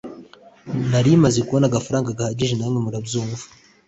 nari maze kubona agafaranga gahagije namwe murabyumva